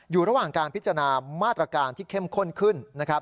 อยู่ระหว่างการพิจารณามาตรการที่เข้มข้นขึ้นนะครับ